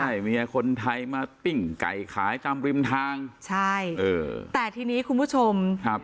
ใช่เมียคนไทยมาปิ้งไก่ขายตามริมทางใช่เออแต่ทีนี้คุณผู้ชมครับ